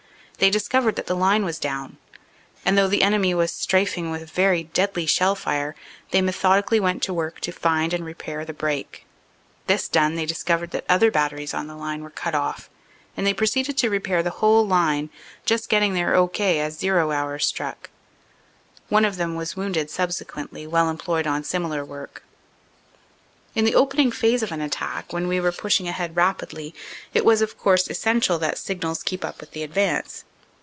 They discovered that the line was down, and though the enemy was straafing with a very deadly shell fire, they methodically went to work to find and repair the break. This done, they discovered that other batteries on the line were cut off and they proceeded to repair the whole line, just getting their "O.K." as "zero" THE ADVANCE ON DENAIN 347 hour struck. One of them was wounded subsequently while employed on similar work. In the opening phase of an attack, when we were pushing ahead rapidly, it was, of course, essential that Signals keep up with the advance.